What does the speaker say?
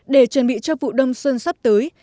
để chuẩn bị cho vụ đông xuân sắp tới